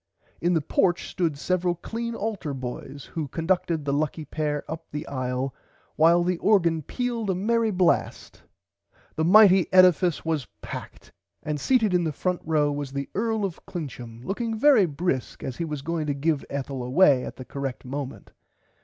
In the porch stood several clean altar boys who conducted the lucky pair up the aile while the organ pealed a merry blast The mighty edifice was packed and seated in the front row was the Earl of Clincham looking very brisk as he was going to give Ethel away at the correct moment.